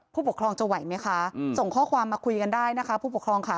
ผู้ปกครองจะไหวไหมคะส่งข้อความมาคุยกันได้นะคะผู้ปกครองค่ะ